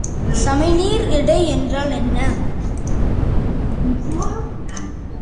சமநீர் எடை என்றால் என்ன?